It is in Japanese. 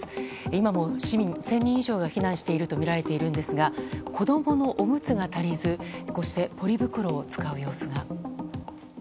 今も市民１０００人以上が避難しているとみられているんですが子供のおむつが足りずこうしてポリ袋を使う様子が。